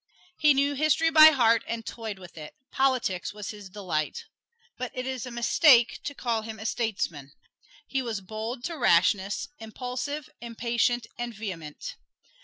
He knew history by heart and toyed with it; politics was his delight. But it is a mistake to call him a statesman. He was bold to rashness, impulsive, impatient and vehement.